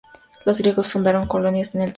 Los griegos fundaron colonias en el siglo V a.C..